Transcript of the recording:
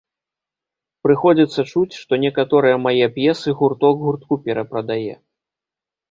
Прыходзіцца чуць, што некаторыя мае п'есы гурток гуртку перапрадае.